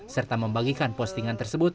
serta membagikan postingan tersebut